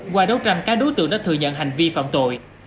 qua đấu tranh các đối tượng đã thừa nhận hành vi phạm tội